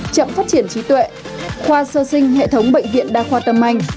chậm phát triển trí tuệ khoa sơ sinh hệ thống bệnh viện đa khoa tâm anh